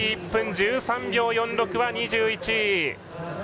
１分１３秒４６は２１位。